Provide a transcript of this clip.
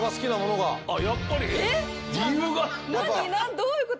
どういうこと？